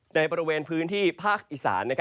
ในบริเวณพื้นที่ภาคอีสาน